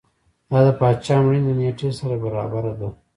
دا د پاچا مړینې له نېټې سره برابره ده.